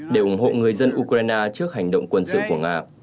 để ủng hộ người dân ukraine trước hành động quân sự của nga